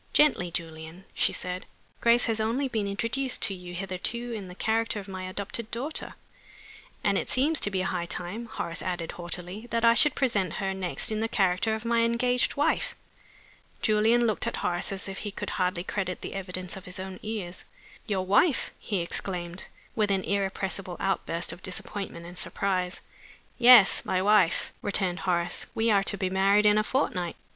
"Gently, Julian," she said. "Grace has only been introduced to you hitherto in the character of my adopted daughter " "And it seems to be high time," Horace added, haughtily, "that I should present her next in the character of my engaged wife." Julian looked at Horace as if he could hardly credit the evidence of his own ears. "Your wife!" he exclaimed, with an irrepressible outburst of disappointment and surprise. "Yes. My wife," returned Horace. "We are to be married in a fortnight.